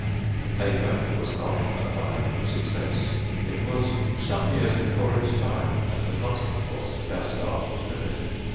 The paper was not a financial success, it was some years before its time, and the consequence was that our staff was limited.